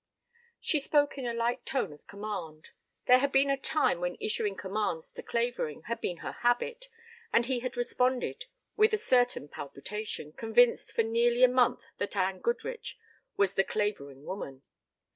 She spoke in a light tone of command. There had been a time when issuing commands to Clavering had been her habit and he had responded with a certain palpitation, convinced for nearly a month that Anne Goodrich was the Clavering woman.